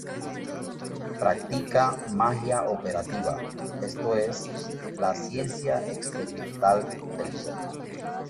Practica magia operativa, esto es, la ciencia experimental del yo.